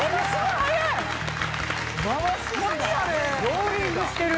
ローリングしてる！